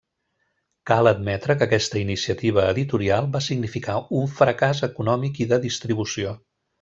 Cal admetre que aquesta iniciativa editorial va significar un fracàs econòmic i de distribució.